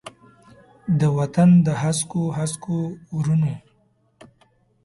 د وطن د هسکو، هسکو غرونو،